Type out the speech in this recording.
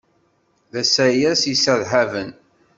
D asayes yesserhaben.